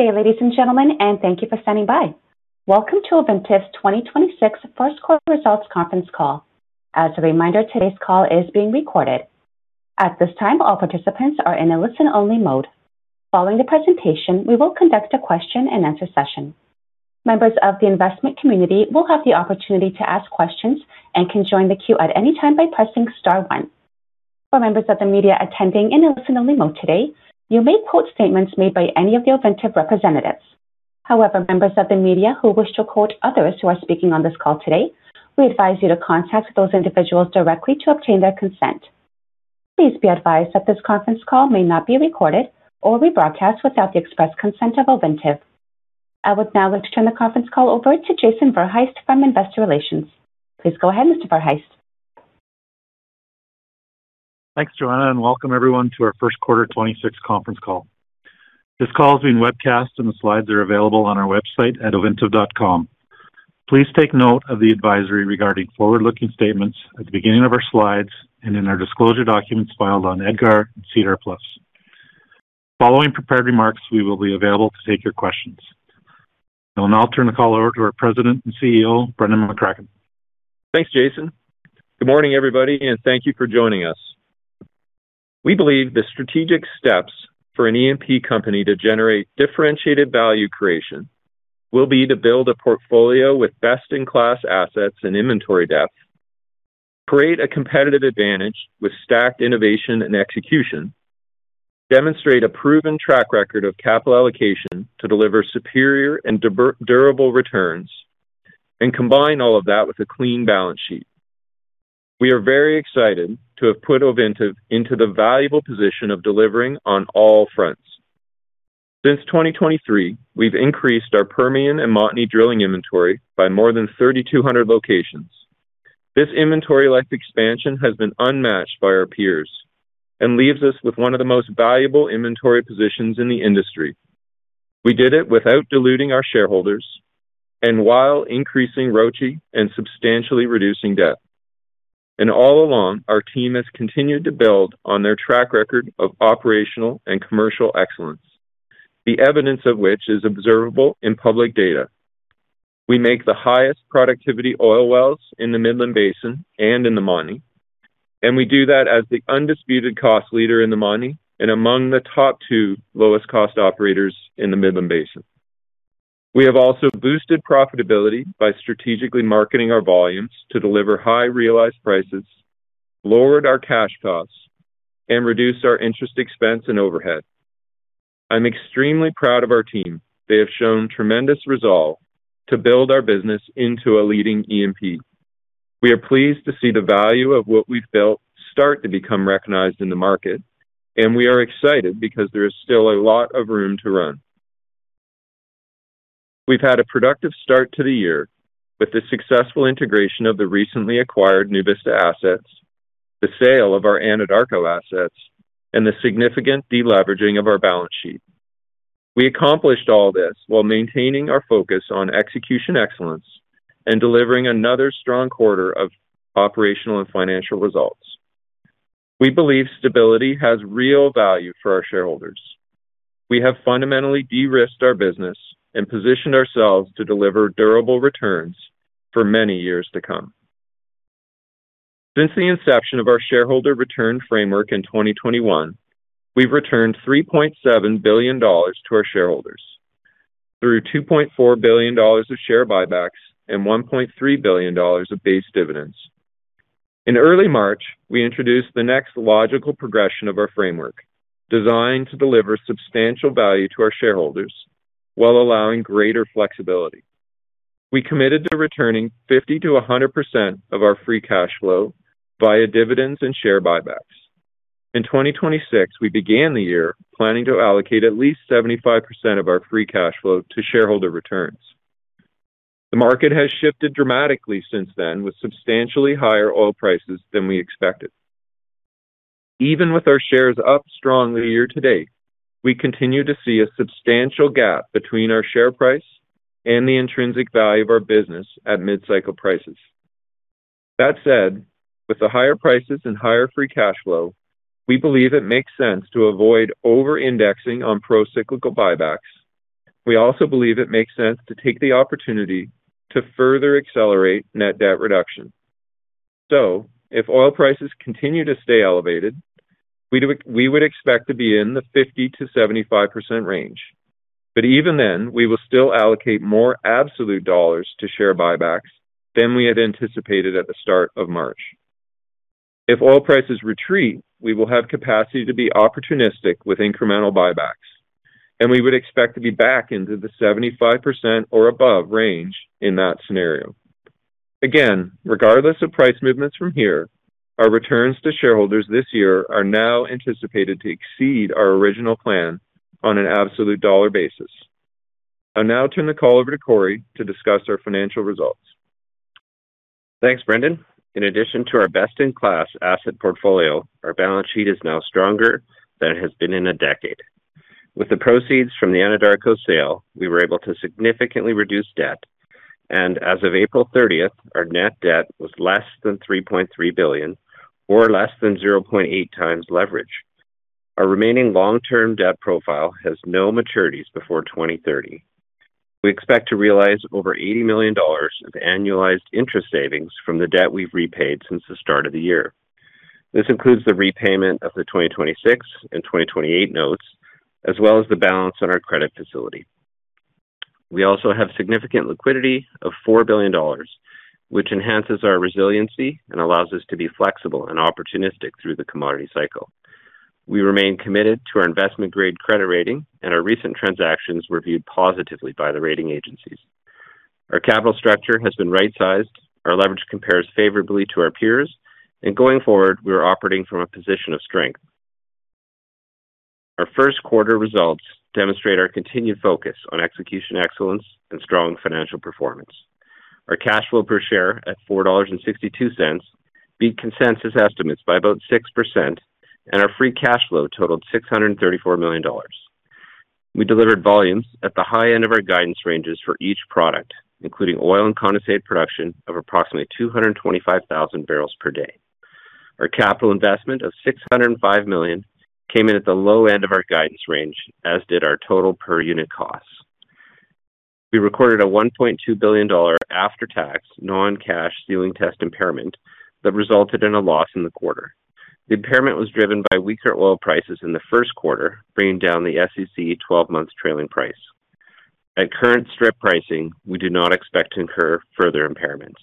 Good day, ladies and gentlemen, and thank you for standing by. Welcome to Ovintiv's 2026 1st quarter results conference call. As a reminder, today's call is being recorded. At this time, all participants are in a listen-only mode. Following the presentation, we will conduct a question-and-answer session. Members of the investment community will have the opportunity to ask questions and can join the queue at any time by pressing star one. For members of the media attending in a listen-only mode today, you may quote statements made by any of the Ovintiv representatives. However, members of the media who wish to quote others who are speaking on this call today, we advise you to contact those individuals directly to obtain their consent. Please be advised that this conference call may not be recorded or rebroadcast without the express consent of Ovintiv. I would now like to turn the conference call over to Jason Verhaest from Investor Relations. Please go ahead, Mr. Verhaest. Thanks, Joanna. Welcome everyone to our 1st quarter 2026 conference call. This call is being webcast and the slides are available on our website at ovintiv.com. Please take note of the advisory regarding forward-looking statements at the beginning of our slides and in our disclosure documents filed on EDGAR and SEDAR+. Following prepared remarks, we will be available to take your questions. I'll now turn the call over to our President and CEO, Brendan McCracken. Thanks, Jason. Good morning, everybody, and thank you for joining us. We believe the strategic steps for an E&P company to generate differentiated value creation will be to build a portfolio with best-in-class assets and inventory depth, create a competitive advantage with stacked innovation and execution, demonstrate a proven track record of capital allocation to deliver superior and durable returns, and combine all of that with a clean balance sheet. We are very excited to have put Ovintiv into the valuable position of delivering on all fronts. Since 2023, we've increased our Permian and Montney drilling inventory by more than 3,200 locations. This inventory life expansion has been unmatched by our peers and leaves us with one of the most valuable inventory positions in the industry. We did it without diluting our shareholders and while increasing ROIC and substantially reducing debt. All along, our team has continued to build on their track record of operational and commercial excellence, the evidence of which is observable in public data. We make the highest productivity oil wells in the Midland Basin and in the Montney, we do that as the undisputed cost leader in the Montney and among the top 2 lowest cost operators in the Midland Basin. We have also boosted profitability by strategically marketing our volumes to deliver high realized prices, lowered our cash costs, and reduced our interest expense and overhead. I'm extremely proud of our team. They have shown tremendous resolve to build our business into a leading E&P. We are pleased to see the value of what we've built start to become recognized in the market, we are excited because there is still a lot of room to run. We've had a productive start to the year with the successful integration of the recently acquired NuVista assets, the sale of our Anadarko assets, and the significant deleveraging of our balance sheet. We accomplished all this while maintaining our focus on execution excellence and delivering another strong quarter of operational and financial results. We believe stability has real value for our shareholders. We have fundamentally de-risked our business and positioned ourselves to deliver durable returns for many years to come. Since the inception of our shareholder return framework in 2021, we've returned $3.7 billion to our shareholders through $2.4 billion of share buybacks and $1.3 billion of base dividends. In early March, we introduced the next logical progression of our framework, designed to deliver substantial value to our shareholders while allowing greater flexibility. We committed to returning 50% to 100% of our free cash flow via dividends and share buybacks. In 2026, we began the year planning to allocate at least 75% of our free cash flow to shareholder returns. The market has shifted dramatically since then, with substantially higher oil prices than we expected. Even with our shares up strongly year to date, we continue to see a substantial gap between our share price and the intrinsic value of our business at mid-cycle prices. That said, with the higher prices and higher free cash flow, we believe it makes sense to avoid over-indexing on pro-cyclical buybacks. We also believe it makes sense to take the opportunity to further accelerate net debt reduction. If oil prices continue to stay elevated, we would expect to be in the 50%-75% range. Even then, we will still allocate more absolute dollars to share buybacks than we had anticipated at the start of March. If oil prices retreat, we will have capacity to be opportunistic with incremental buybacks, and we would expect to be back into the 75% or above range in that scenario. Again, regardless of price movements from here, our returns to shareholders this year are now anticipated to exceed our original plan on an absolute dollar basis. I'll now turn the call over to Corey to discuss our financial results. Thanks, Brendan. In addition to our best-in-class asset portfolio, our balance sheet is now stronger than it has been in a decade. With the proceeds from the Anadarko sale, we were able to significantly reduce debt. As of April 30th, our net debt was less than $3.3 billion or less than 0.8 times leverage. Our remaining long-term debt profile has no maturities before 2030. We expect to realize over $80 million of annualized interest savings from the debt we've repaid since the start of the year. This includes the repayment of the 2026 and 2028 notes, as well as the balance on our credit facility. We also have significant liquidity of $4 billion, which enhances our resiliency and allows us to be flexible and opportunistic through the commodity cycle. We remain committed to our investment-grade credit rating, and our recent transactions were viewed positively by the rating agencies. Our capital structure has been right-sized. Our leverage compares favorably to our peers, and going forward, we are operating from a position of strength. Our first quarter results demonstrate our continued focus on execution excellence and strong financial performance. Our cash flow per share at $4.62 beat consensus estimates by about 6%, and our free cash flow totaled $634 million. We delivered volumes at the high end of our guidance ranges for each product, including oil and condensate production of approximately 225,000 barrels per day. Our capital investment of $605 million came in at the low end of our guidance range, as did our total per unit costs. We recorded a $1.2 billion after-tax non-cash ceiling test impairment that resulted in a loss in the quarter. The impairment was driven by weaker oil prices in the first quarter, bringing down the SEC 12 months trailing price. At current strip pricing, we do not expect to incur further impairments.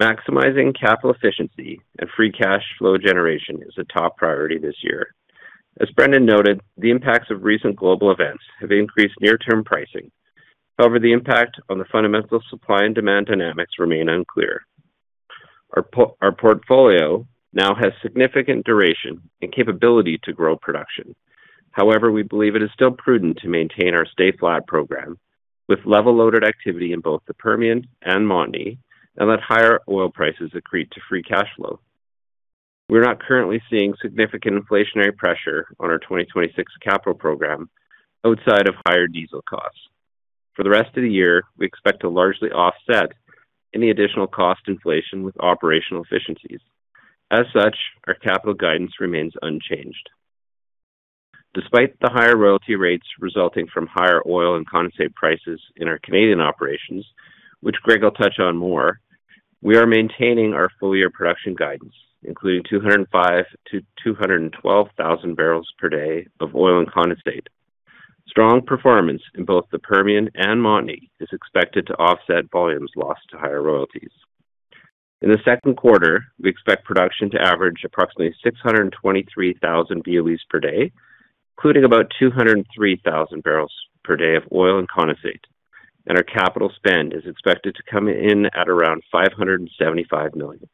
Maximizing capital efficiency and free cash flow generation is a top priority this year. As Brendan noted, the impacts of recent global events have increased near-term pricing. The impact on the fundamental supply and demand dynamics remain unclear. Our portfolio now has significant duration and capability to grow production. We believe it is still prudent to maintain our stay-flat program with level-loaded activity in both the Permian and Montney and let higher oil prices accrete to free cash flow. We're not currently seeing significant inflationary pressure on our 2026 capital program outside of higher diesel costs. For the rest of the year, we expect to largely offset any additional cost inflation with operational efficiencies. As such, our capital guidance remains unchanged. Despite the higher royalty rates resulting from higher oil and condensate prices in our Canadian operations, which Greg will touch on more, we are maintaining our full-year production guidance, including 205,000 to 212,000 barrels per day of oil and condensate. Strong performance in both the Permian and Montney is expected to offset volumes lost to higher royalties. In the second quarter, we expect production to average approximately 623,000 BOEs per day, including about 203,000 barrels per day of oil and condensate, and our capital spend is expected to come in at around $575 million.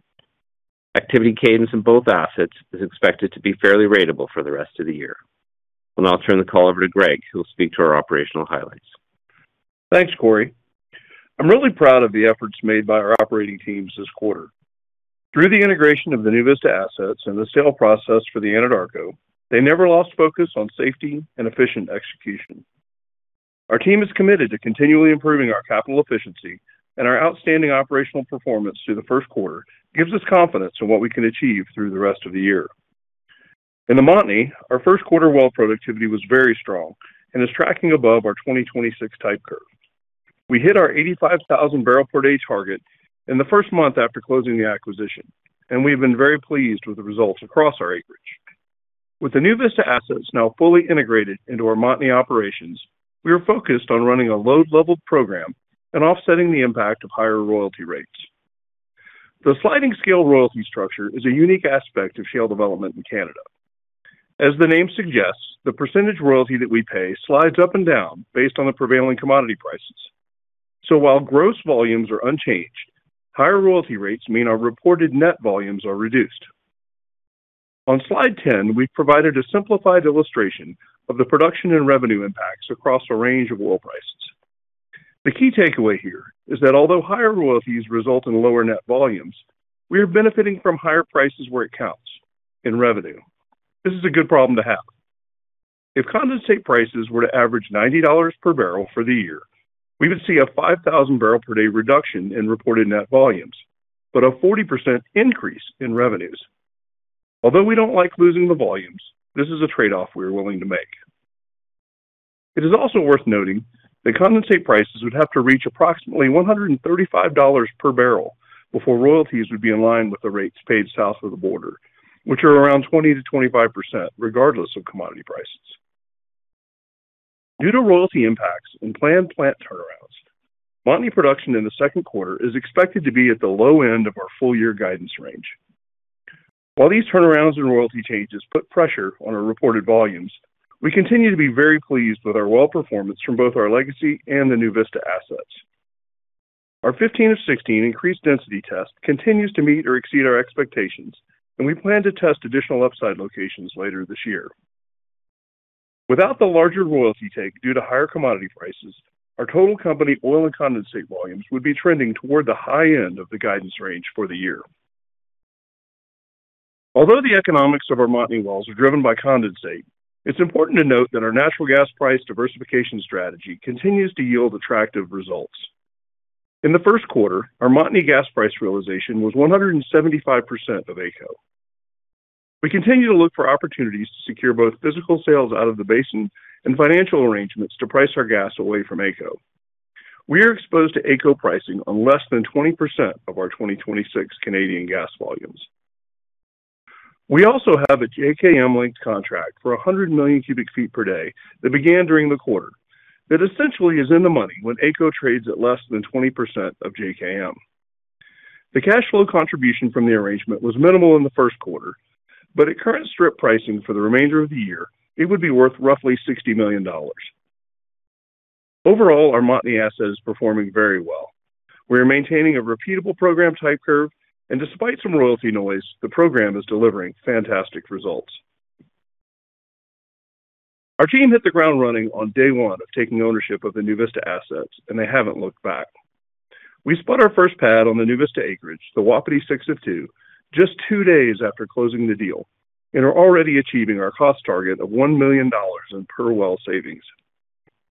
Activity cadence in both assets is expected to be fairly ratable for the rest of the year. I'll turn the call over to Greg, who will speak to our operational highlights. Thanks, Corey. I'm really proud of the efforts made by our operating teams this quarter. Through the integration of the NuVista assets and the sale process for the Anadarko, they never lost focus on safety and efficient execution. Our team is committed to continually improving our capital efficiency and our outstanding operational performance through the first quarter gives us confidence in what we can achieve through the rest of the year. In the Montney, our first quarter well productivity was very strong and is tracking above our 2026 type curves. We hit our 85,000 barrel per day target in the first month after closing the acquisition, and we've been very pleased with the results across our acreage. With the NuVista assets now fully integrated into our Montney operations, we are focused on running a load level program and offsetting the impact of higher royalty rates. The sliding scale royalty structure is a unique aspect of shale development in Canada. As the name suggests, the percentage royalty that we pay slides up and down based on the prevailing commodity prices. While gross volumes are unchanged, higher royalty rates mean our reported net volumes are reduced. On slide 10, we provided a simplified illustration of the production and revenue impacts across a range of oil prices. The key takeaway here is that although higher royalties result in lower net volumes, we are benefiting from higher prices where it counts, in revenue. This is a good problem to have. If condensate prices were to average $90 per barrel for the year, we would see a 5,000 barrel per day reduction in reported net volumes, but a 40% increase in revenues. Although we don't like losing the volumes, this is a trade-off we are willing to make. It is also worth noting that condensate prices would have to reach approximately $135 per barrel before royalties would be in line with the rates paid south of the border, which are around 20%-25% regardless of commodity prices. Due to royalty impacts and planned plant turnarounds, Montney production in the second quarter is expected to be at the low end of our full-year guidance range. While these turnarounds and royalty changes put pressure on our reported volumes, we continue to be very pleased with our well performance from both our legacy and the NuVista assets. Our 15/16 increased density test continues to meet or exceed our expectations, and we plan to test additional upside locations later this year. Without the larger royalty take due to higher commodity prices, our total company oil and condensate volumes would be trending toward the high end of the guidance range for the year. Although the economics of our Montney wells are driven by condensate, it is important to note that our natural gas price diversification strategy continues to yield attractive results. In the first quarter, our Montney gas price realization was 175% of AECO. We continue to look for opportunities to secure both physical sales out of the basin and financial arrangements to price our gas away from AECO. We are exposed to AECO pricing on less than 20% of our 2026 Canadian gas volumes. We also have a JKM linked contract for 100 million cubic feet per day that began during the quarter. That essentially is in the money when AECO trades at less than 20% of JKM. The cash flow contribution from the arrangement was minimal in the first quarter, but at current strip pricing for the remainder of the year, it would be worth roughly $60 million. Overall, our Montney asset is performing very well. We are maintaining a repeatable program type curve, and despite some royalty noise, the program is delivering fantastic results. Our team hit the ground running on day one of taking ownership of the NuVista assets, and they haven't looked back. We split our first pad on the NuVista acreage, the Wapiti 6-2, just 2 days after closing the deal, and are already achieving our cost target of $1 million in per well savings.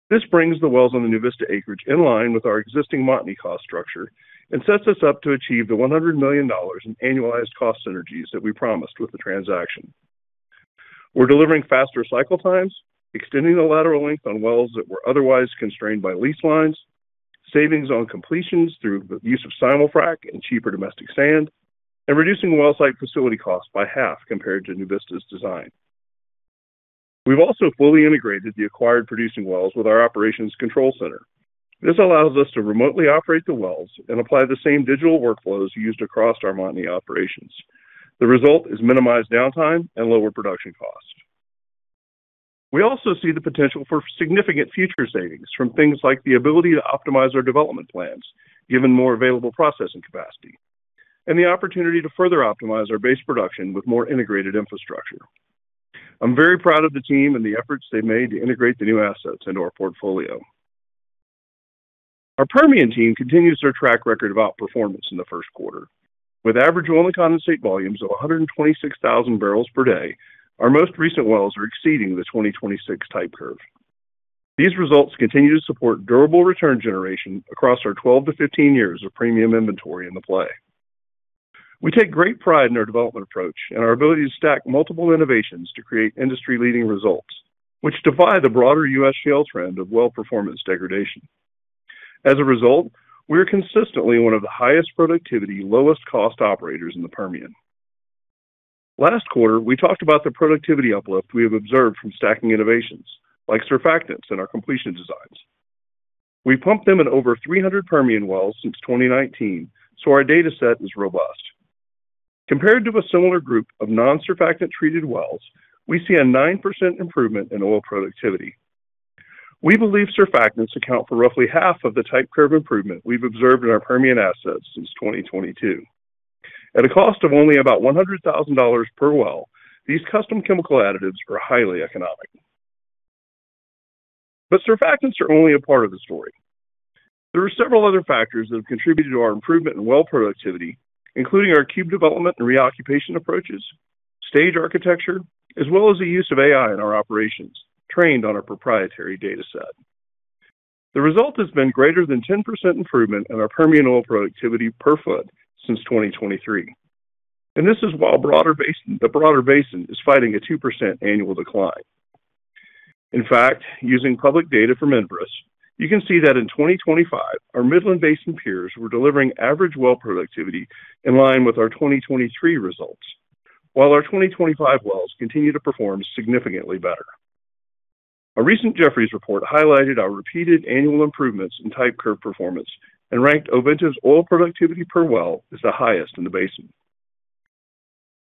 This brings the wells on the NuVista acreage in line with our existing Montney cost structure and sets us up to achieve the $100 million in annualized cost synergies that we promised with the transaction. We're delivering faster cycle times, extending the lateral length on wells that were otherwise constrained by lease lines, savings on completions through the use of simul-frac and cheaper domestic sand, and reducing well site facility costs by half compared to NuVista's design. We've also fully integrated the acquired producing wells with our operations control center. This allows us to remotely operate the wells and apply the same digital workflows used across our Montney operations. The result is minimized downtime and lower production cost. We also see the potential for significant future savings from things like the ability to optimize our development plans, given more available processing capacity, and the opportunity to further optimize our base production with more integrated infrastructure. I'm very proud of the team and the efforts they made to integrate the new assets into our portfolio. Our Permian team continues their track record of outperformance in the first quarter. With average oil and condensate volumes of 126,000 barrels per day, our most recent wells are exceeding the 2026 type curve. These results continue to support durable return generation across our 12-15 years of premium inventory in the play. We take great pride in our development approach and our ability to stack multiple innovations to create industry-leading results, which defy the broader U.S. shale trend of well performance degradation. As a result, we are consistently one of the highest productivity, lowest cost operators in the Permian. Last quarter, we talked about the productivity uplift we have observed from stacking innovations like surfactants in our completion designs. We pumped them in over 300 Permian wells since 2019, so our data set is robust. Compared to a similar group of non-surfactant treated wells, we see a 9% improvement in oil productivity. We believe surfactants account for roughly half of the type curve improvement we've observed in our Permian assets since 2022. At a cost of only about $100,000 per well, these custom chemical additives are highly economic. Surfactants are only a part of the story. There are several other factors that have contributed to our improvement in well productivity, including our cube development and reoccupation approaches, stage architecture, as well as the use of AI in our operations trained on our proprietary data set. The result has been greater than 10% improvement in our Permian oil productivity per foot since 2023, and this is while the broader basin is fighting a 2% annual decline. In fact, using public data from Enverus, you can see that in 2025, our Midland Basin peers were delivering average well productivity in line with our 2023 results, while our 2025 wells continue to perform significantly better. A recent Jefferies report highlighted our repeated annual improvements in type curve performance and ranked Ovintiv's oil productivity per well as the highest in the basin.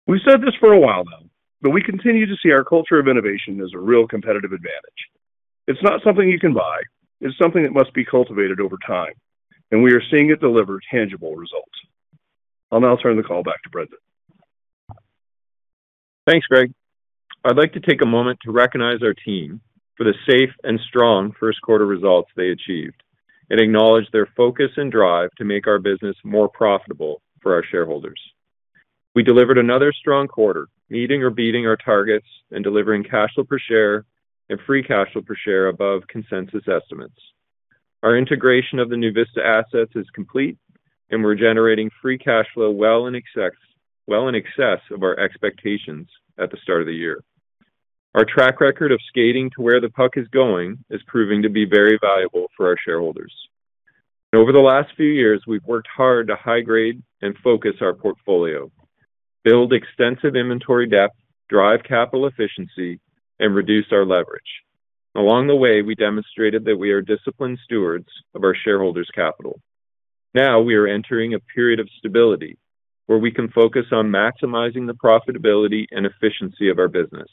We've said this for a while now, we continue to see our culture of innovation as a real competitive advantage. It's not something you can buy. It's something that must be cultivated over time, we are seeing it deliver tangible results. I'll now turn the call back to Brendan. Thanks, Greg. I'd like to take a moment to recognize our team for the safe and strong first quarter results they achieved and acknowledge their focus and drive to make our business more profitable for our shareholders. We delivered another strong quarter, meeting or beating our targets and delivering cash flow per share and free cash flow per share above consensus estimates. Our integration of the NuVista assets is complete, and we're generating free cash flow well in excess of our expectations at the start of the year. Our track record of skating to where the puck is going is proving to be very valuable for our shareholders. Over the last few years, we've worked hard to high-grade and focus our portfolio, build extensive inventory depth, drive capital efficiency, and reduce our leverage. Along the way, we demonstrated that we are disciplined stewards of our shareholders' capital. Now we are entering a period of stability where we can focus on maximizing the profitability and efficiency of our business.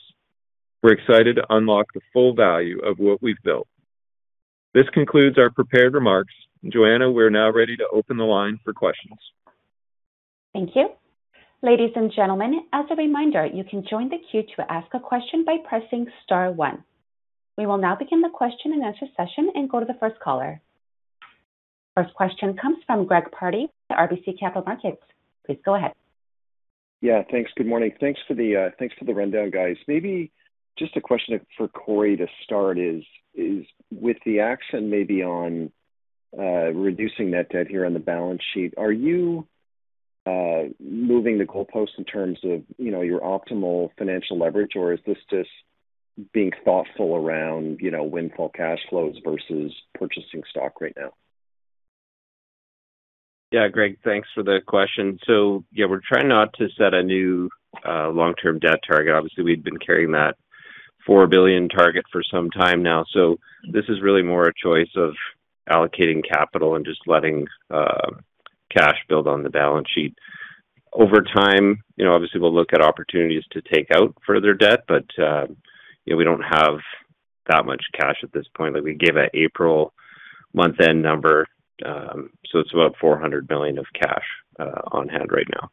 We're excited to unlock the full value of what we've built. This concludes our prepared remarks. Joanna, we're now ready to open the line for questions. Thank you. Ladies and gentlemen, as a reminder, you can join the queue to ask a question by pressing star one. We will now begin the question-and-answer session and go to the first caller. First question comes from Greg Pardy, RBC Capital Markets. Please go ahead. Yeah, thanks. Good morning. Thanks for the rundown, guys. Maybe just a question for Corey to start is with the action maybe on reducing net debt here on the balance sheet, are you moving the goalpost in terms of, you know, your optimal financial leverage, or is this just being thoughtful around, you know, windfall cash flows versus purchasing stock right now? Yeah, Greg, thanks for the question. Yeah, we're trying not to set a new long-term debt target. Obviously, we've been carrying that $4 billion target for some time now. This is really more a choice of allocating capital and just letting cash build on the balance sheet. Over time, you know, obviously, we'll look at opportunities to take out further debt, but, you know, we don't have that much cash at this point that we give an April month-end number. It's about $400 million of cash on hand right now.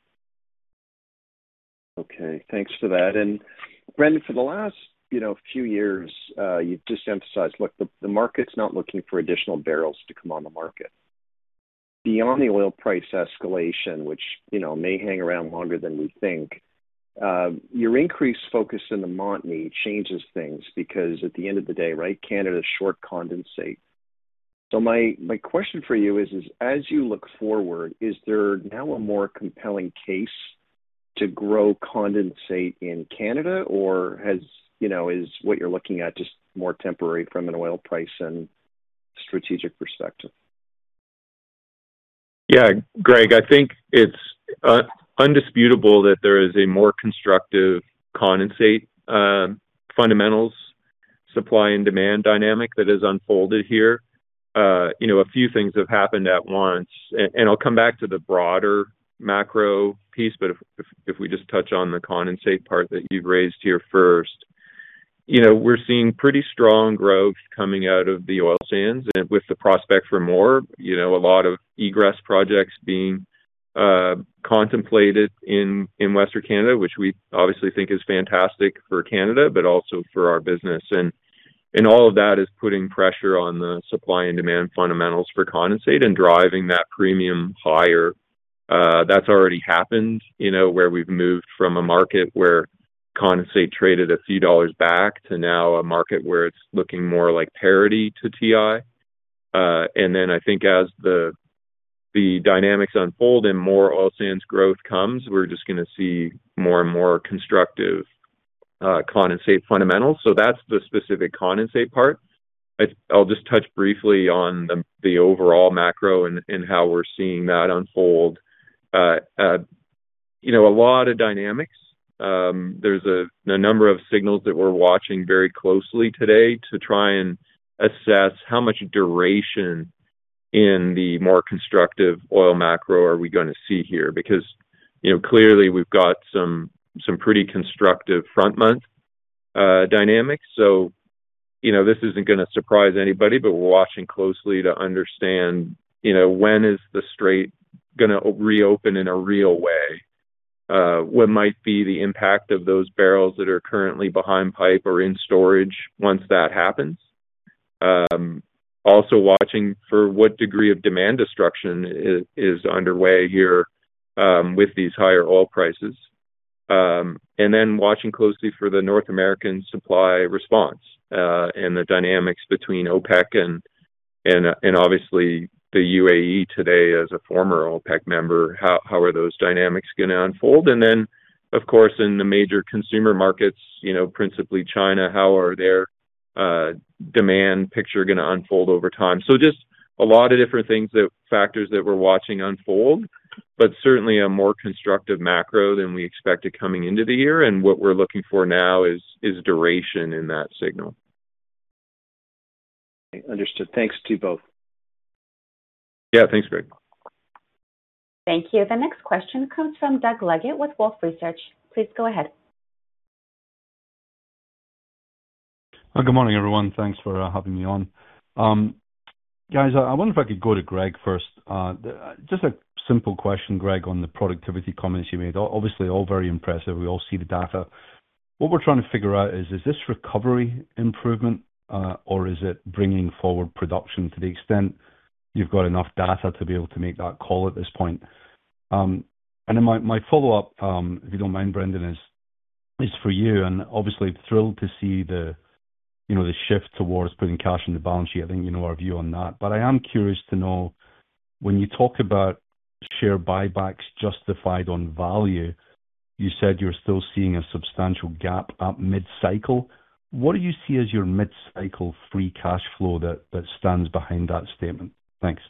Okay, thanks for that. Brendan, for the last, you know, few years, you've just emphasized, look, the market's not looking for additional barrels to come on the market. Beyond the oil price escalation, which, you know, may hang around longer than we think, your increased focus in the Montney changes things because at the end of the day, right, Canada is short condensate. My question for you is, as you look forward, is there now a more compelling case to grow condensate in Canada, or you know, is what you're looking at just more temporary from an oil price and strategic perspective? Yeah, Greg, I think it's undisputable that there is a more constructive condensate fundamentals, supply and demand dynamic that has unfolded here. You know, a few things have happened at once. I'll come back to the broader macro piece, but if we just touch on the condensate part that you've raised here first. You know, we're seeing pretty strong growth coming out of the oil sands and with the prospect for more, you know, a lot of egress projects being contemplated in Western Canada, which we obviously think is fantastic for Canada, but also for our business. All of that is putting pressure on the supply and demand fundamentals for condensate and driving that premium higher. That's already happened, you know, where we've moved from a market where condensate traded a few dollars back to now a market where it's looking more like parity to WTI. Then I think as the dynamics unfold and more oil sands growth comes, we're just gonna see more and more constructive condensate fundamentals. That's the specific condensate part. I'll just touch briefly on the overall macro and how we're seeing that unfold. You know, a lot of dynamics. There's a number of signals that we're watching very closely today to try and assess how much duration in the more constructive oil macro are we gonna see here. You know, clearly we've got some pretty constructive front month dynamics. You know, this isn't gonna surprise anybody, but we're watching closely to understand, you know, when is the strait gonna reopen in a real way? What might be the impact of those barrels that are currently behind pipe or in storage once that happens? Also watching for what degree of demand destruction is underway here with these higher oil prices. Watching closely for the North American supply response and the dynamics between OPEC and obviously the UAE today as a former OPEC member, how are those dynamics gonna unfold? Of course, in the major consumer markets, you know, principally China, how are their demand picture gonna unfold over time? Just a lot of different factors that we're watching unfold, but certainly a more constructive macro than we expected coming into the year. What we're looking for now is duration in that signal. Understood. Thanks to you both. Yeah, thanks, Greg. Thank you. The next question comes from Doug Leggate with Wolfe Research. Please go ahead. Good morning, everyone. Thanks for having me on. Guys, I wonder if I could go to Greg first. Just a simple question, Greg, on the productivity comments you made. Obviously, all very impressive. We all see the data. What we're trying to figure out is this recovery improvement, or is it bringing forward production to the extent you've got enough data to be able to make that call at this point? My follow-up, if you don't mind, Brendan, is for you, and obviously thrilled to see the, you know, the shift towards putting cash on the balance sheet. I think you know our view on that. I am curious to know, when you talk about share buybacks justified on value, you said you're still seeing a substantial gap at mid-cycle. What do you see as your mid-cycle free cash flow that stands behind that statement? Thanks.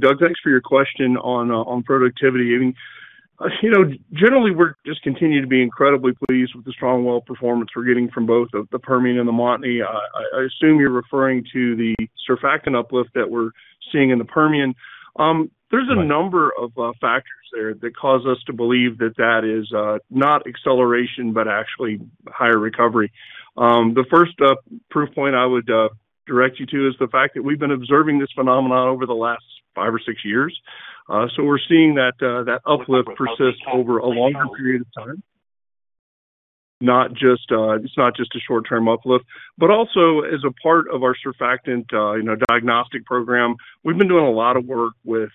Doug, thanks for your question on productivity. Generally, we just continue to be incredibly pleased with the strong well performance we're getting from both the Permian and the Montney. I assume you're referring to the surfactant uplift that we're seeing in the Permian. There's a number of factors there that cause us to believe that that is not acceleration, but actually higher recovery. The first proof point I would direct you to is the fact that we've been observing this phenomenon over the last five or six years. We're seeing that that uplift persist over a longer period of time. Not just, it's not just a short-term uplift, but also as a part of our surfactant, you know, diagnostic program, we've been doing a lot of work with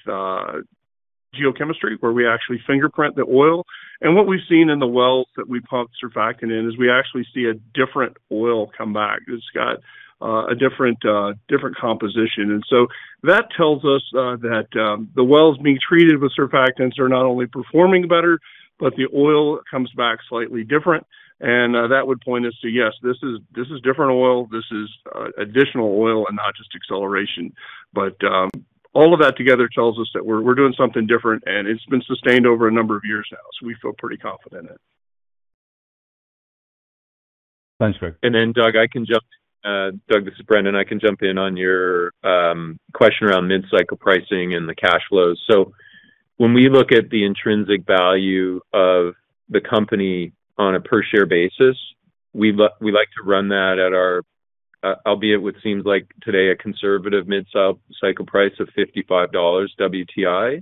geochemistry, where we actually fingerprint the oil. What we've seen in the wells that we pump surfactant in is we actually see a different oil come back. It's got a different composition. That tells us that the wells being treated with surfactants are not only performing better, but the oil comes back slightly different. That would point us to, yes, this is, this is different oil. This is additional oil and not just acceleration. All of that together tells us that we're doing something different, and it's been sustained over a number of years now, so we feel pretty confident in it. Thanks, Greg. Doug, this is Brendan. I can jump in on your question around mid-cycle pricing and the cash flows. When we look at the intrinsic value of the company on a per share basis, we like to run that at our, albeit what seems like today, a conservative mid-cycle price of $55 WTI.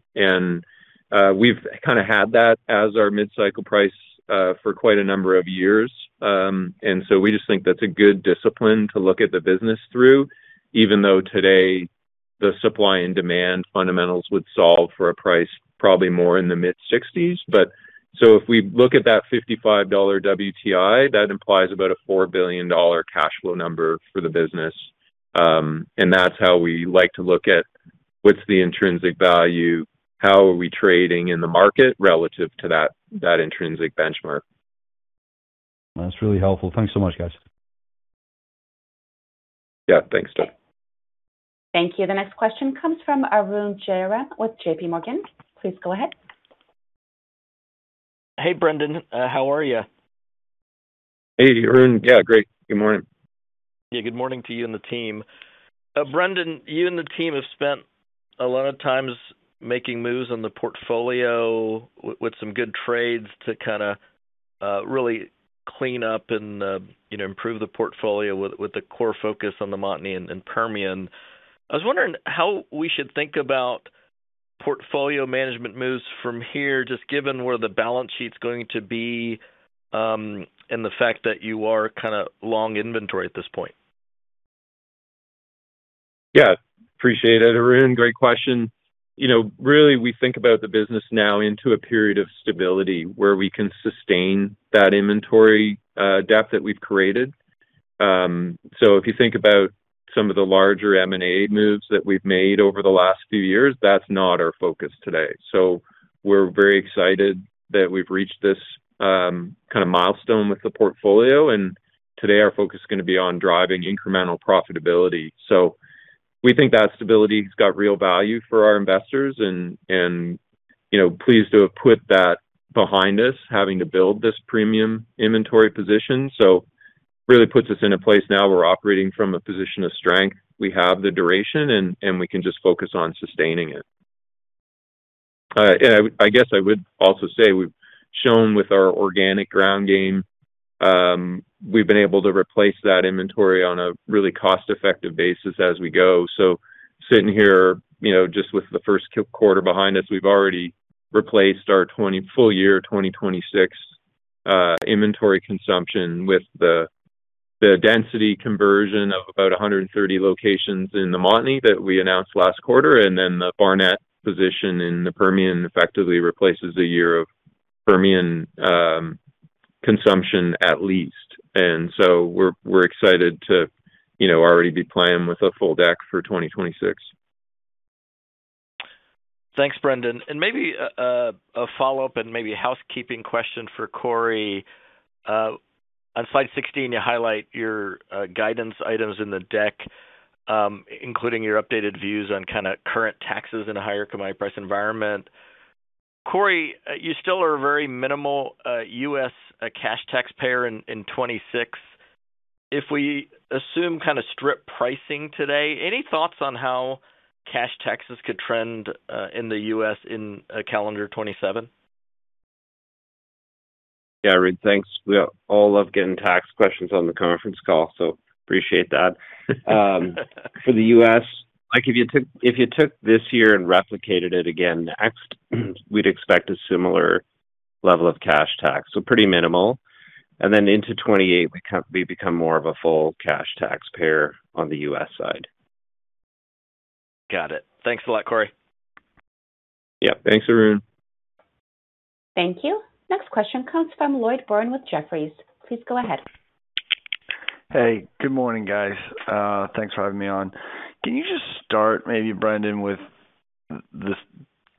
We've kind of had that as our mid-cycle price for quite a number of years. We just think that's a good discipline to look at the business through, even though today the supply and demand fundamentals would solve for a price probably more in the mid-60s. If we look at that $55 WTI, that implies about a $4 billion cash flow number for the business. That's how we like to look at what's the intrinsic value, how are we trading in the market relative to that intrinsic benchmark. That's really helpful. Thanks so much, guys. Yeah, thanks, Doug. Thank you. The next question comes from Arun Jayaram with J.P. Morgan. Please go ahead. Hey, Brendan. How are you? Hey, Arun. Yeah, great. Good morning. Yeah, good morning to you and the team. Brendan, you and the team have spent a lot of times making moves on the portfolio with some good trades to kinda, really clean up and, you know, improve the portfolio with the core focus on the Montney and Permian. I was wondering how we should think about portfolio management moves from here, just given where the balance sheet's going to be, and the fact that you are kinda long inventory at this point. Yeah, appreciate it, Arun. Great question. You know, really we think about the business now into a period of stability where we can sustain that inventory depth that we've created. If you think about some of the larger M&A moves that we've made over the last few years, that's not our focus today. We're very excited that we've reached this kind of milestone with the portfolio, and today our focus is gonna be on driving incremental profitability. We think that stability has got real value for our investors and, you know, pleased to have put that behind us, having to build this premium inventory position. Really puts us in a place now we're operating from a position of strength. We have the duration and we can just focus on sustaining it. I guess I would also say we've shown with our organic ground game, we've been able to replace that inventory on a really cost-effective basis as we go. Sitting here, you know, just with the first quarter behind us, we've already replaced our full year 2026 inventory consumption with the density conversion of about 130 locations in the Montney that we announced last quarter. Then the Barnett position in the Permian effectively replaces 1 year of Permian consumption at least. So we're excited to, you know, already be playing with a full deck for 2026. Thanks, Brendan. Maybe a follow-up and maybe a housekeeping question for Corey. On slide 16, you highlight your guidance items in the deck, including your updated views on kinda current taxes in a higher commodity price environment. Corey, you still are a very minimal U.S. cash taxpayer in 2026. If we assume kinda strip pricing today, any thoughts on how cash taxes could trend in the U.S. in calendar 2027? Yeah, Arun, thanks. We all love getting tax questions on the conference call, so appreciate that. For the U.S., like if you took, if you took this year and replicated it again next, we'd expect a similar level of cash tax, so pretty minimal. Then into 2028, we become more of a full cash taxpayer on the U.S. side. Got it. Thanks a lot, Corey. Yeah. Thanks, Arun. Thank you. Next question comes from Lloyd Byrne with Jefferies. Please go ahead. Hey, good morning, guys. Thanks for having me on. Can you just start maybe, Brendan, with this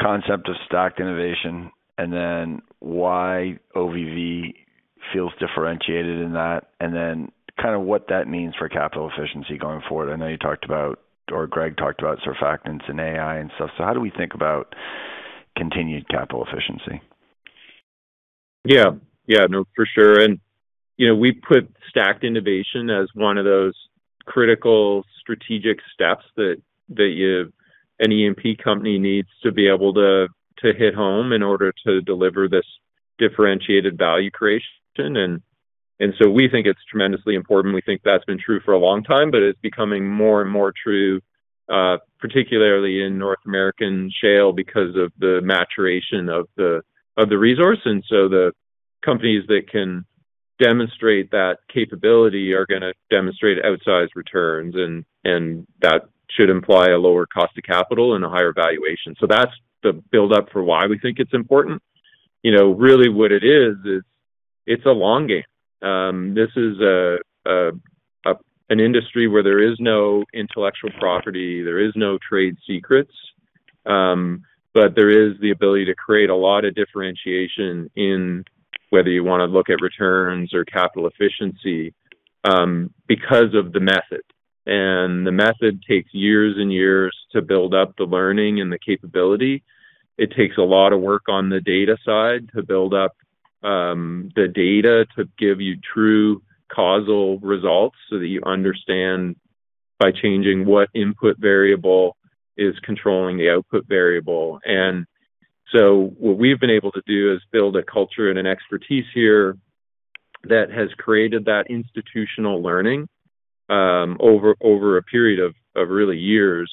concept of stacked innovation and then why OVV feels differentiated in that, and then kind of what that means for capital efficiency going forward? I know you talked about, or Greg talked about surfactants and AI and stuff, so how do we think about continued capital efficiency? Yeah. Yeah. No, for sure. You know, we put stacked innovation as one of those critical strategic steps that an E&P company needs to be able to hit home in order to deliver this differentiated value creation. We think it's tremendously important. We think that's been true for a long time, but it's becoming more and more true, particularly in North American shale because of the maturation of the resource. The companies that can demonstrate that capability are gonna demonstrate outsized returns and that should imply a lower cost of capital and a higher valuation. That's the build up for why we think it's important. You know, really what it is it's a long game. This is an industry where there is no intellectual property, there is no trade secrets, but there is the ability to create a lot of differentiation in whether you wanna look at returns or capital efficiency because of the method. The method takes years and years to build up the learning and the capability. It takes a lot of work on the data side to build up the data to give you true causal results so that you understand by changing what input variable is controlling the output variable. What we've been able to do is build a culture and an expertise here that has created that institutional learning over a period of really years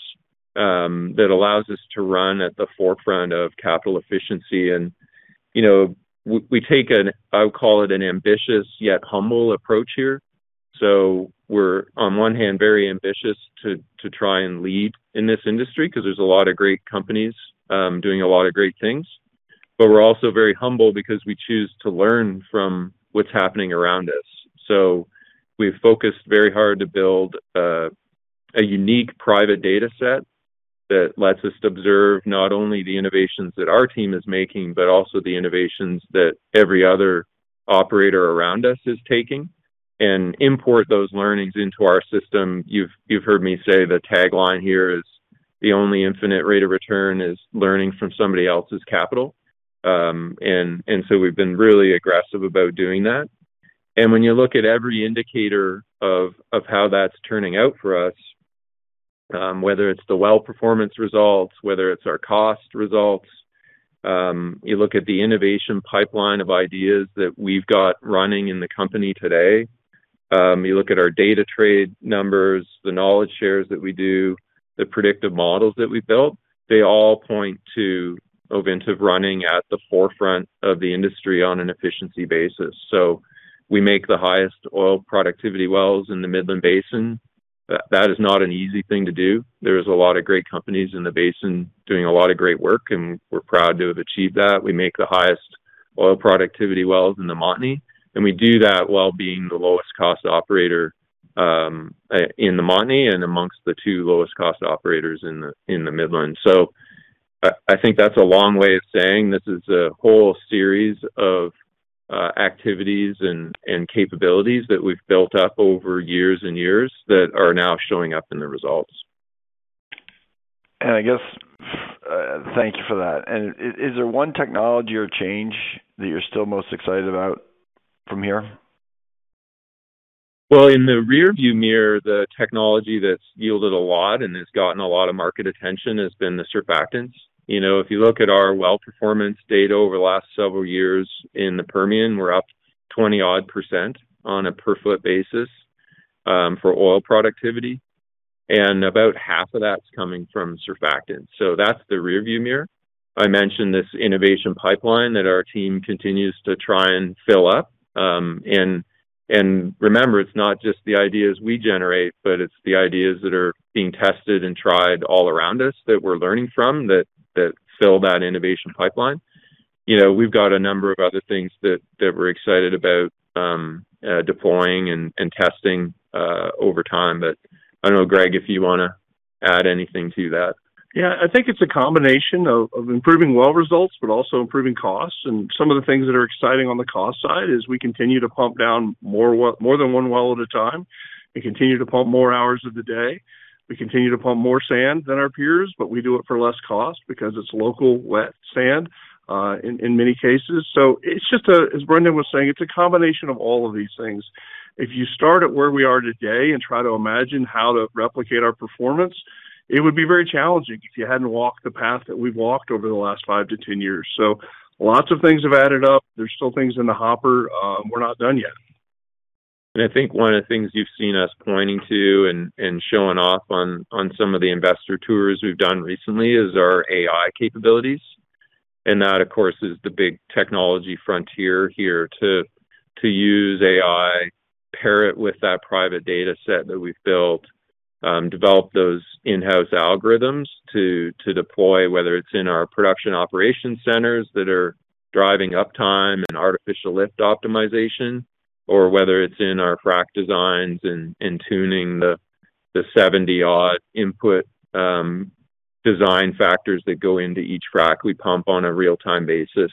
that allows us to run at the forefront of capital efficiency. You know, we take an, I would call it an ambitious yet humble approach here. We're on one hand very ambitious to try and lead in this industry because there's a lot of great companies doing a lot of great things. We're also very humble because we choose to learn from what's happening around us. We've focused very hard to build a unique private data set that lets us observe not only the innovations that our team is making, but also the innovations that every other operator around us is taking, and import those learnings into our system. You've heard me say the tagline here is, "The only infinite rate of return is learning from somebody else's capital." We've been really aggressive about doing that. When you look at every indicator of how that's turning out for us, whether it's the well performance results, whether it's our cost results, you look at the innovation pipeline of ideas that we've got running in the company today, you look at our data trade numbers, the knowledge shares that we do, the predictive models that we built, they all point to Ovintiv running at the forefront of the industry on an efficiency basis. We make the highest oil productivity wells in the Midland Basin. That is not an easy thing to do. There's a lot of great companies in the basin doing a lot of great work, and we're proud to have achieved that. We make the highest oil productivity wells in the Montney, and we do that while being the lowest cost operator in the Montney and amongst the two lowest cost operators in the Midland. I think that's a long way of saying this is a whole series of activities and capabilities that we've built up over years and years that are now showing up in the results. I guess, thank you for that. Is there one technology or change that you're still most excited about from here? Well, in the rear view mirror, the technology that's yielded a lot and has gotten a lot of market attention has been the surfactants. You know, if you look at our well performance data over the last several years in the Permian, we're up 20-odd percent on a per foot basis for oil productivity, and about half of that's coming from surfactants. That's the rear view mirror. I mentioned this innovation pipeline that our team continues to try and fill up. Remember, it's not just the ideas we generate, but it's the ideas that are being tested and tried all around us that we're learning from that fill that innovation pipeline. You know, we've got a number of other things that we're excited about deploying and testing over time. I don't know, Greg, if you wanna add anything to that? Yeah. I think it's a combination of improving well results, but also improving costs. Some of the things that are exciting on the cost side is we continue to pump down more than one well at a time. We continue to pump more hours of the day. We continue to pump more sand than our peers, but we do it for less cost because it's local wet sand in many cases. It's just a as Brendan was saying, it's a combination of all of these things. If you start at where we are today and try to imagine how to replicate our performance, it would be very challenging if you hadn't walked the path that we've walked over the last five to ten years. Lots of things have added up. There's still things in the hopper. We're not done yet. I think one of the things you've seen us pointing to and showing off on some of the investor tours we've done recently is our AI capabilities. That, of course, is the big technology frontier here to use AI, pair it with that private data set that we've built, develop those in-house algorithms to deploy, whether it's in our production operation centers that are driving uptime and artificial lift optimization, or whether it's in our frac designs and tuning the 70-odd input design factors that go into each frac we pump on a real-time basis.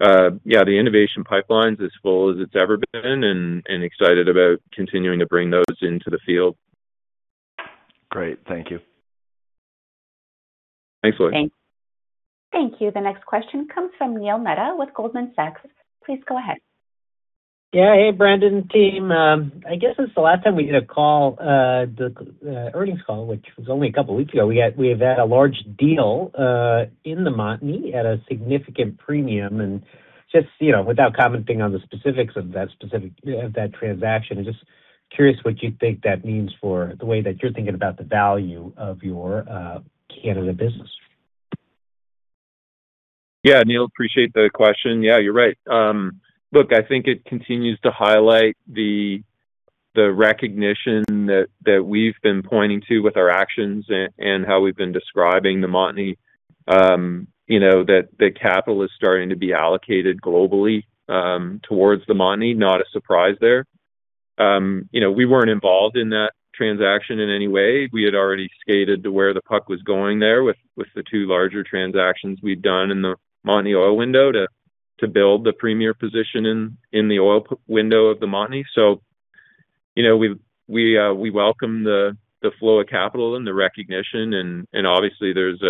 Yeah, the innovation pipeline's as full as it's ever been and excited about continuing to bring those into the field. Great. Thank you. Thanks, Lloyd. Thank you. The next question comes from Neil Mehta with Goldman Sachs. Please go ahead. Hey, Brendan team. I guess since the last time we did a call, the earnings call, which was only a couple of weeks ago, we have had a large deal in the Montney at a significant premium. Just, you know, without commenting on the specifics of that transaction, just curious what you think that means for the way that you're thinking about the value of your Canada business. Yeah, Neil, appreciate the question. Yeah, you're right. Look, I think it continues to highlight the recognition that we've been pointing to with our actions and how we've been describing the Montney, you know, that the capital is starting to be allocated globally towards the Montney. Not a surprise there. You know, we weren't involved in that transaction in any way. We had already skated to where the puck was going there with the two larger transactions we'd done in the Montney Oil Window to build the premier position in the oil window of the Montney. You know, we welcome the flow of capital and the recognition and obviously there's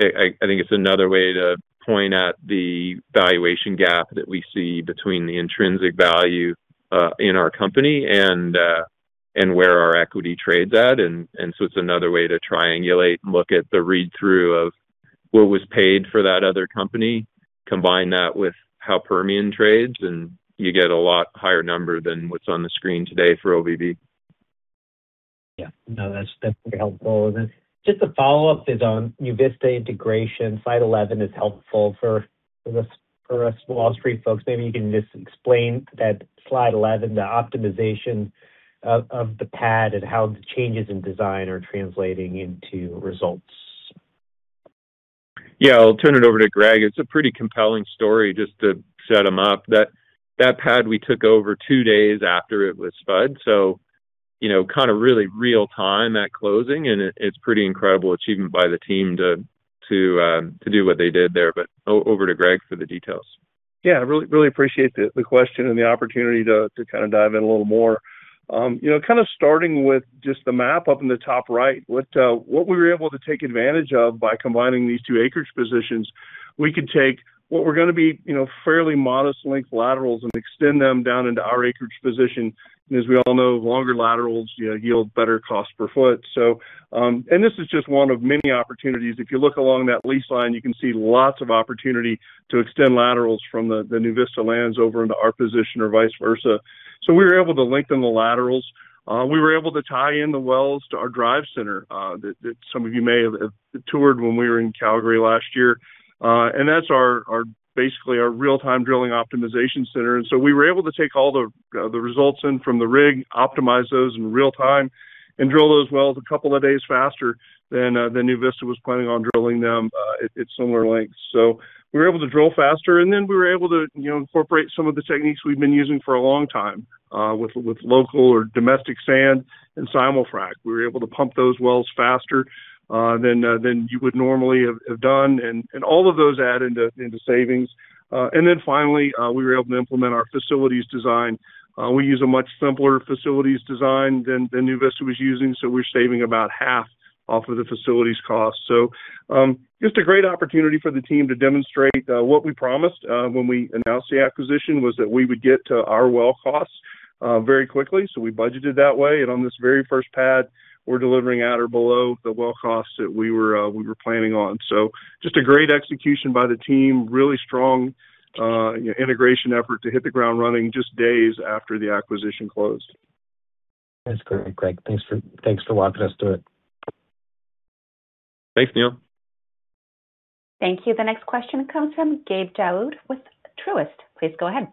I think it's another way to point at the valuation gap that we see between the intrinsic value in our company and where our equity trades at. It's another way to triangulate and look at the read-through of what was paid for that other company, combine that with how Permian trades, and you get a lot higher number than what's on the screen today for OVV. Yeah. That's very helpful. Just a follow-up is on NuVista integration. Slide 11 is helpful for us Wall Street folks. Maybe you can just explain that slide 11, the optimization of the pad and how the changes in design are translating into results. I'll turn it over to Greg. It's a pretty compelling story just to set him up. That pad we took over two days after it was spud. You know, kind of really real time at closing, and it's pretty incredible achievement by the team to do what they did there. Over to Greg for the details. Yeah, really appreciate the question and the opportunity to kinda dive in a little more. You know, kinda starting with just the map up in the top right, what we were able to take advantage of by combining these two acreage positions, we could take what were gonna be, you know, fairly modest length laterals and extend them down into our acreage position. As we all know, longer laterals, you know, yield better cost per foot. This is just one of many opportunities. If you look along that lease line, you can see lots of opportunity to extend laterals from the NuVista lands over into our position or vice versa. We were able to lengthen the laterals. We were able to tie in the wells to our drive center that some of you may have toured when we were in Calgary last year. That's basically our real-time drilling optimization center. We were able to take all the results in from the rig, optimize those in real time, and drill those wells a couple of days faster than NuVista was planning on drilling them at similar lengths. We were able to drill faster. We were able to, you know, incorporate some of the techniques we've been using for a long time with local or domestic sand and simul-frac. We were able to pump those wells faster than you would normally have done. All of those add into savings. Finally, we were able to implement our facilities design. We use a much simpler facilities design than NuVista was using, so we're saving about half off of the facilities cost. Just a great opportunity for the team to demonstrate what we promised when we announced the acquisition was that we would get to our well costs very quickly. We budgeted that way. On this very first pad, we're delivering at or below the well costs that we were planning on. Just a great execution by the team, really strong integration effort to hit the ground running just days after the acquisition closed. That's great, Greg. Thanks for walking us through it. Thanks, Neil. Thank you. The next question comes from Gabe Daoud with Truist. Please go ahead.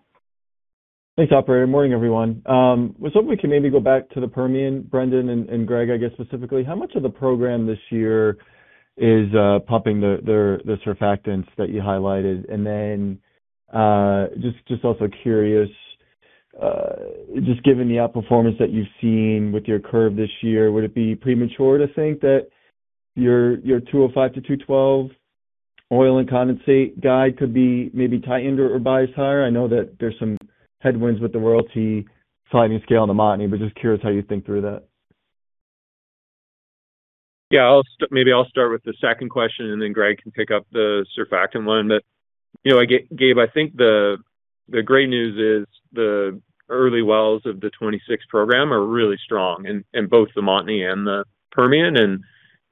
Thanks, operator. Morning, everyone. Was hoping we can maybe go back to the Permian, Brendan and Greg, I guess specifically. How much of the program this year is pumping the surfactants that you highlighted? Just also curious, just given the outperformance that you've seen with your curve this year, would it be premature to think that your 205 to 212 oil and condensate guide could be maybe tightened or biased higher? I know that there's some headwinds with the royalty sliding scale in the Montney, just curious how you think through that. Yeah, maybe I'll start with the second question, Greg can pick up the surfactant one. You know, Gabe, I think the great news is the early wells of the 2026 program are really strong in both the Montney and the Permian,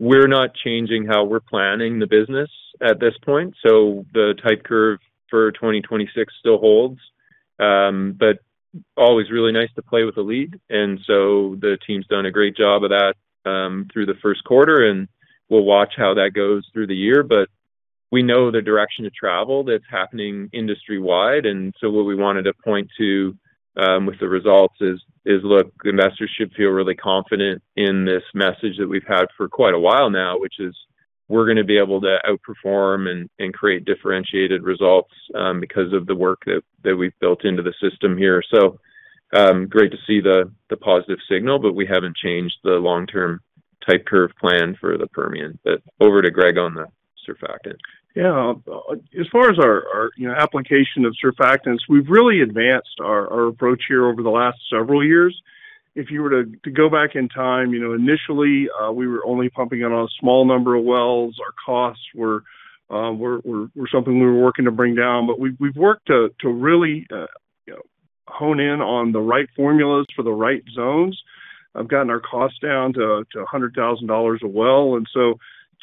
we're not changing how we're planning the business at this point. The type curve for 2026 still holds. Always really nice to play with a lead, the team's done a great job of that through the first quarter, we'll watch how that goes through the year. We know the direction of travel that's happening industry-wide, and so what we wanted to point to with the results is, look, investors should feel really confident in this message that we've had for quite a while now, which is we're gonna be able to outperform and create differentiated results because of the work that we've built into the system here. Great to see the positive signal, but we haven't changed the long-term type curve plan for the Permian. Over to Greg on the surfactant. Yeah. As far as our, you know, application of surfactants, we've really advanced our approach here over the last several years. If you were to go back in time, you know, initially, we were only pumping on a small number of wells. Our costs were something we were working to bring down. We've worked to really, you know, hone in on the right formulas for the right zones. I've gotten our costs down to $100,000 a well.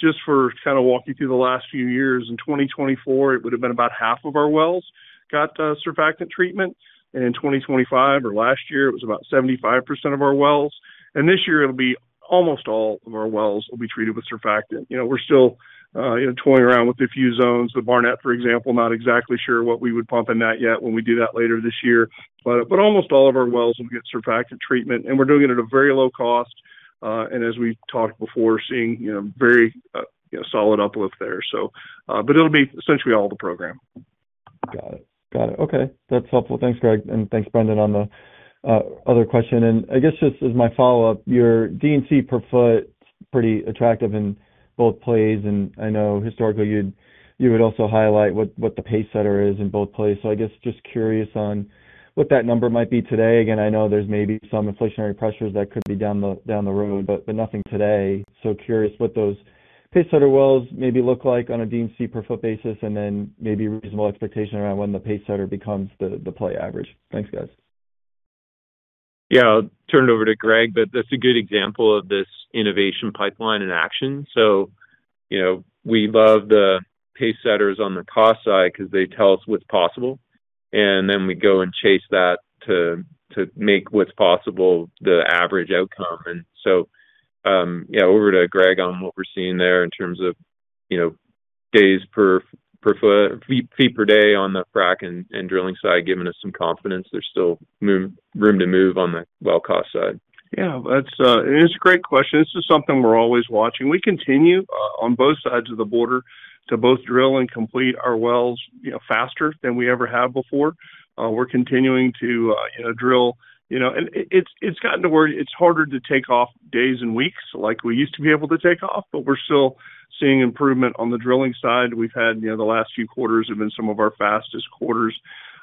Just for kind of walk you through the last few years, in 2024 it would've been about half of our wells got a surfactant treatment. In 2025 or last year, it was about 75% of our wells. This year it'll be almost all of our wells will be treated with surfactant. You know, we're still, you know, toying around with a few zones. The Barnett, for example, not exactly sure what we would pump in that yet when we do that later this year. Almost all of our wells will get surfactant treatment, and we're doing it at a very low cost. As we talked before, seeing, you know, very, you know, solid uplift there. It'll be essentially all the program. Got it. Okay. That's helpful. Thanks, Greg, and thanks, Brendan, on the other question. I guess just as my follow-up, your D&C per foot pretty attractive in both plays, and I know historically you would also highlight what the pacesetter is in both plays. I guess just curious on what that number might be today. Again, I know there's maybe some inflationary pressures that could be down the road, but nothing today. Curious what those pacesetter wells maybe look like on a D&C per foot basis, and then maybe reasonable expectation around when the pacesetter becomes the play average. Thanks, guys. I'll turn it over to Greg, that's a good example of this innovation pipeline in action. You know, we love the pacesetters on the cost side because they tell us what's possible, then we go and chase that to make what's possible the average outcome. Over to Greg on what we're seeing there in terms of, you know, days per fee per day on the frack and drilling side, giving us some confidence there's still room to move on the well cost side. Yeah. That's. It's a great question. This is something we're always watching. We continue on both sides of the border to both drill and complete our wells, you know, faster than we ever have before. We're continuing to, you know, drill. You know, it's gotten to where it's harder to take off days and weeks like we used to be able to take off, but we're still seeing improvement on the drilling side. We've had, you know, the last few quarters have been some of our fastest quarters.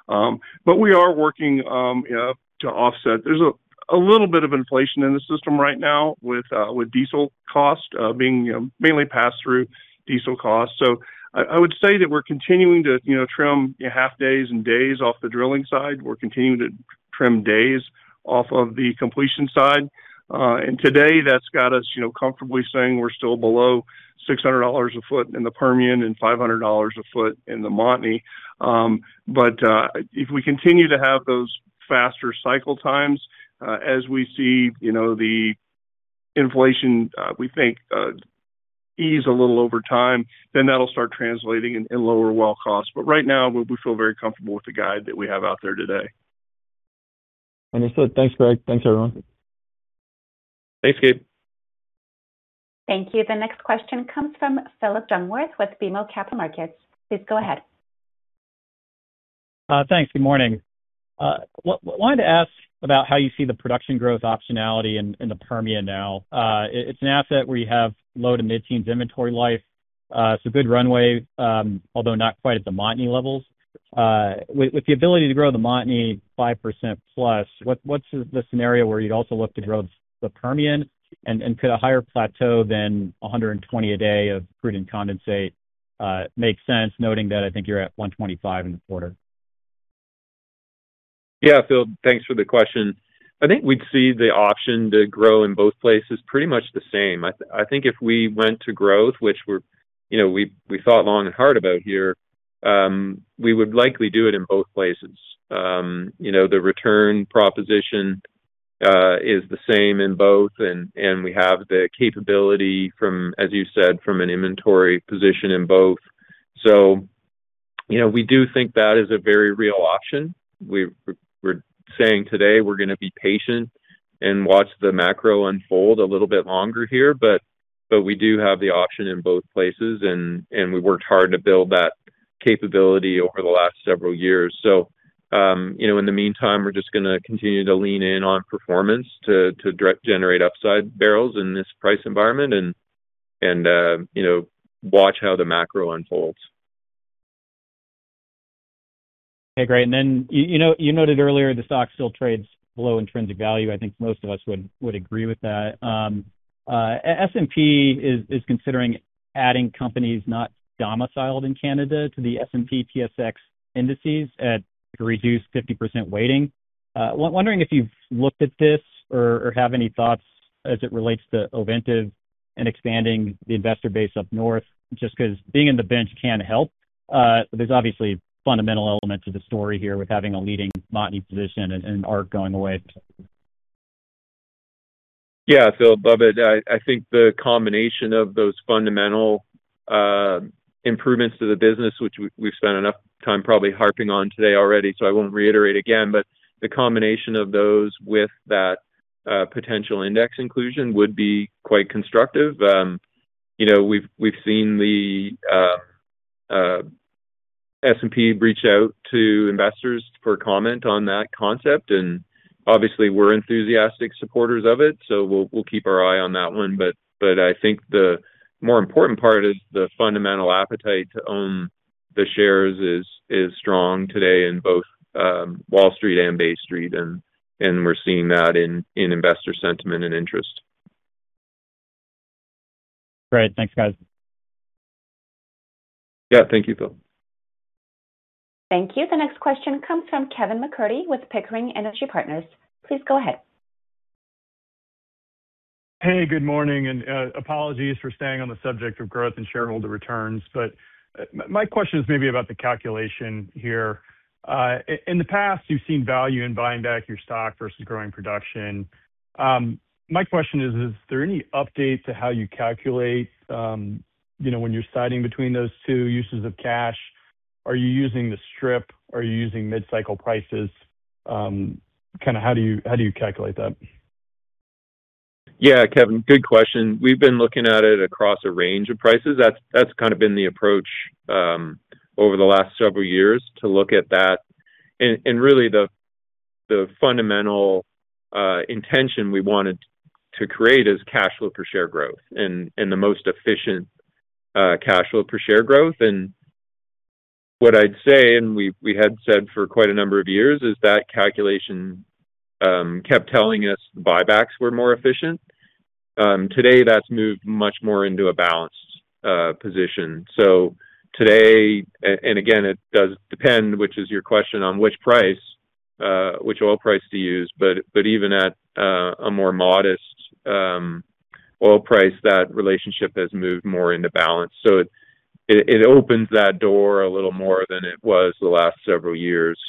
We are working, you know, to offset. There's a little bit of inflation in the system right now with diesel cost, being, you know, mainly passed through diesel costs. I would say that we're continuing to, you know, trim half days and days off the drilling side. We're continuing to trim days off of the completion side. Today that's got us, you know, comfortably saying we're still below $600 a foot in the Permian and $500 a foot in the Montney. If we continue to have those faster cycle times, as we see, you know, the inflation, we think, ease a little over time, then that'll start translating in lower well costs. Right now, we feel very comfortable with the guide that we have out there today. Understood. Thanks, Greg. Thanks, everyone. Thanks, Gabe. Thank you. The next question comes from Phillip Jungwirth with BMO Capital Markets. Please go ahead. Thanks. Good morning. Wanted to ask about how you see the production growth optionality in the Permian now. It's an asset where you have low to mid-teens inventory life. It's a good runway, although not quite at the Montney levels. With the ability to grow the Montney 5% plus, what's the scenario where you'd also look to grow the Permian, and could a higher plateau than 120 a day of crude and condensate make sense, noting that I think you're at 125 in the quarter? Yeah, Phillip, thanks for the question. I think we'd see the option to grow in both places pretty much the same. I think if we went to growth, which you know, we thought long and hard about here, we would likely do it in both places. You know, the return proposition is the same in both and we have the capability from, as you said, from an inventory position in both. You know, we do think that is a very real option. We're saying today we're gonna be patient and watch the macro unfold a little bit longer here, but we do have the option in both places and we worked hard to build that capability over the last several years. You know, in the meantime, we're just gonna continue to lean in on performance to generate upside barrels in this price environment and, you know, watch how the macro unfolds. You know, you noted earlier the stock still trades below intrinsic value. I think most of us would agree with that. S&P is considering adding companies not domiciled in Canada to the S&P/TSX indices at a reduced 50% weighting. Wondering if you've looked at this or have any thoughts as it relates to Ovintiv and expanding the investor base up north, just 'cause being in the bench can help. There's obviously fundamental elements of the story here with having a leading Montney position and ARC going away. Yeah. Phillip, I think the combination of those fundamental improvements to the business, which we've spent enough time probably harping on today already, I won't reiterate again. The combination of those with that potential index inclusion would be quite constructive. You know, we've seen the S&P reach out to investors for comment on that concept, and obviously we're enthusiastic supporters of it, so we'll keep our eye on that one. I think the more important part is the fundamental appetite to own the shares is strong today in both Wall Street and Bay Street. We're seeing that in investor sentiment and interest. Great. Thanks, guys. Yeah. Thank you, Phillip. Thank you. The next question comes from Kevin McCurdy with Pickering Energy Partners. Please go ahead. Hey, good morning, apologies for staying on the subject of growth and shareholder returns. My question is maybe about the calculation here. In the past, you've seen value in buying back your stock versus growing production. My question is there any update to how you calculate, you know, when you're deciding between those two uses of cash? Are you using the strip? Are you using mid-cycle prices? Kinda how do you calculate that? Yeah, Kevin, good question. We've been looking at it across a range of prices. That's kind of been the approach over the last several years to look at that. Really, the fundamental intention we wanted to create is cash flow per share growth and the most efficient cash flow per share growth. What I'd say, and we had said for quite a number of years, is that calculation kept telling us buybacks were more efficient. Today that's moved much more into a balanced position. Today, and again, it does depend, which is your question, on which price, which oil price to use. But even at a more modest oil price, that relationship has moved more into balance. It opens that door a little more than it was the last several years.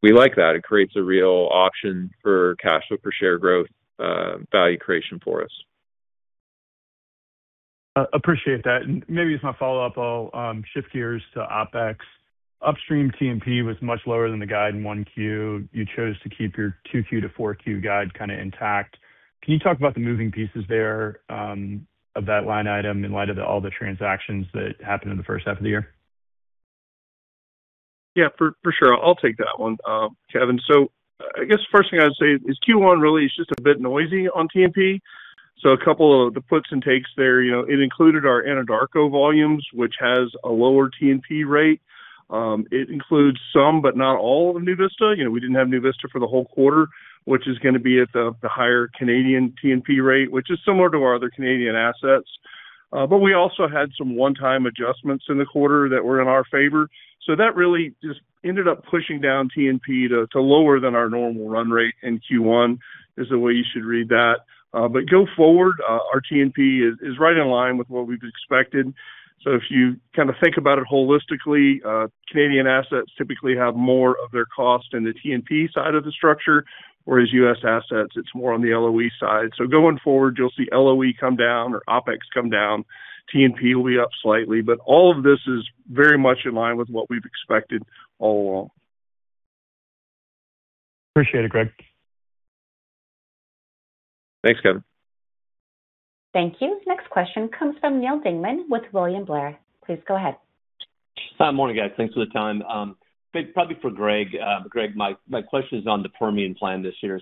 We like that. It creates a real option for cash flow per share growth, value creation for us. Appreciate that. Maybe as my follow-up, I'll shift gears to OpEx. Upstream T&P was much lower than the guide in one Q. You chose to keep your two Q to four Q guide kinda intact. Can you talk about the moving pieces there of that line item in light of all the transactions that happened in the first half of the year? Yeah, for sure. I'll take that one, Kevin. I guess first thing I would say is Q1 really is just a bit noisy on T&P. A couple of the puts and takes there. You know, it included our Anadarko volumes, which has a lower T&P rate. It includes some but not all of the NuVista. You know, we didn't have NuVista for the whole quarter, which is gonna be at the higher Canadian T&P rate, which is similar to our other Canadian assets. We also had some one-time adjustments in the quarter that were in our favor. That really just ended up pushing down T&P to lower than our normal run rate in Q1, is the way you should read that. Go forward, our T&P is right in line with what we've expected. If you kinda think about it holistically, Canadian assets typically have more of their cost in the T&P side of the structure, whereas U.S. assets, it's more on the LOE side. Going forward, you'll see LOE come down or OpEx come down. T&P will be up slightly. All of this is very much in line with what we've expected all along. Appreciate it, Greg. Thanks, Kevin. Thank you. Next question comes from Neal Dingmann with William Blair. Please go ahead. Hi. Morning, guys. Thanks for the time. Maybe probably for Greg. Greg, my question is on the Permian plan this year.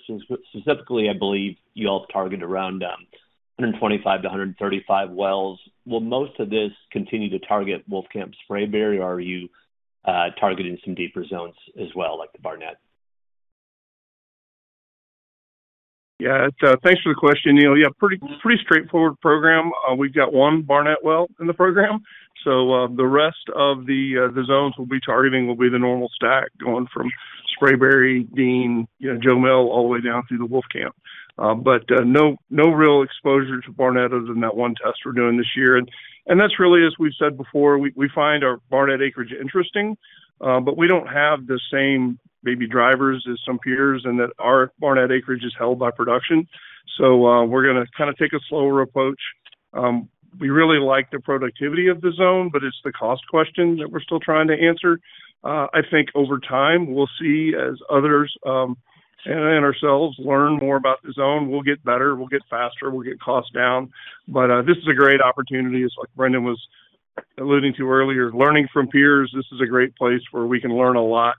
Specifically, I believe y'all have targeted around 125 to 135 wells. Will most of this continue to target Wolfcamp Spraberry, or are you targeting some deeper zones as well, like the Barnett? Thanks for the question, Neal. Pretty straightforward program. We've got one Barnett well in the program. The rest of the zones we'll be targeting will be the normal stack going from Spraberry, Dean, you know, Jo Mill, all the way down through the Wolfcamp. No real exposure to Barnett other than that one test we're doing this year. That's really as we've said before, we find our Barnett acreage interesting, but we don't have the same maybe drivers as some peers and that our Barnett acreage is held by production. We're going to kind of take a slower approach. We really like the productivity of the zone, but it's the cost question that we're still trying to answer. I think over time, we'll see as others, and ourselves learn more about the zone. We'll get better, we'll get faster, we'll get costs down. This is a great opportunity. It's like Brendan was alluding to earlier, learning from peers. This is a great place where we can learn a lot,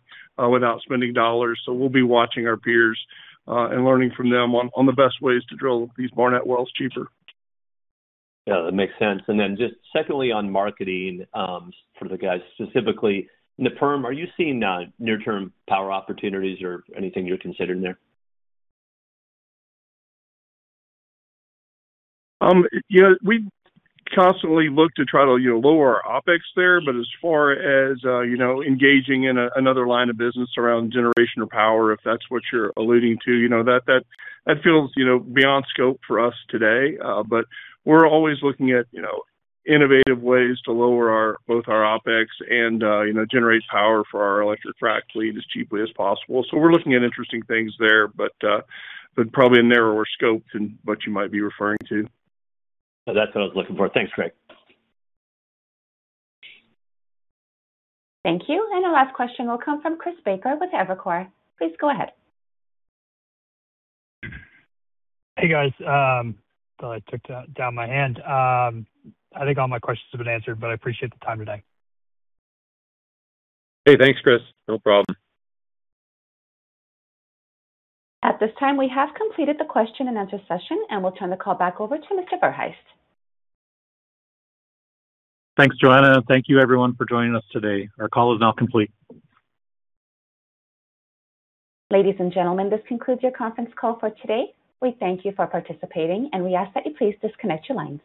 without spending dollars. We'll be watching our peers, and learning from them on the best ways to drill these Barnett wells cheaper. Yeah, that makes sense. Just secondly on marketing, for the guys, specifically in the Perm, are you seeing near-term power opportunities or anything you're considering there? You know, we constantly look to try to, you know, lower our OpEx there. As far as, you know, engaging in a, another line of business around generation or power, if that's what you're alluding to, you know, that, that feels, you know, beyond scope for us today. We're always looking at, you know, innovative ways to lower our, both our OpEx and, you know, generate power for our electric frac fleet as cheaply as possible. We're looking at interesting things there, but probably in narrower scopes than what you might be referring to. That's what I was looking for. Thanks, Greg. Thank you. Our last question will come from Christopher Baker with Evercore. Please go ahead. Hey, guys. thought I took down my hand. I think all my questions have been answered, but I appreciate the time today. Hey, thanks, Chris. No problem. At this time, we have completed the question and answer session, and we'll turn the call back over to Mr. Verhaest. Thanks, Joanna. Thank you, everyone, for joining us today. Our call is now complete. Ladies and gentlemen, this concludes your conference call for today. We thank you for participating, and we ask that you please disconnect your lines.